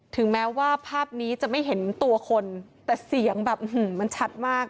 ถึงแม้ว่าภาพนี้จะไม่เห็นตัวคนแต่เสียงแบบมันชัดมาก